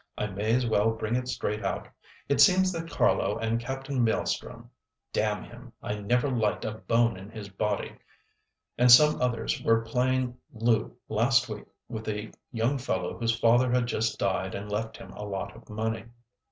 I may as well bring it straight out. It seems that Carlo and Captain Maelstrom (d— n him!—I never liked a bone in his body) and some others were playing loo last week with a young fellow whose father had just died and left him a lot of money.